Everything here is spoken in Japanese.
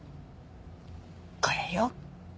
これよ。